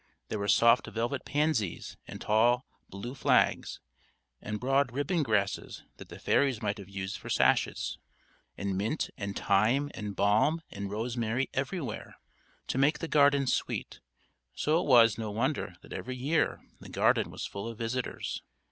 There were soft velvet pansies and tall blue flags, and broad ribbon grasses that the fairies might have used for sashes; and mint and thyme and balm and rosemary everywhere, to make the garden sweet; so it was no wonder that every year, the garden was full of visitors.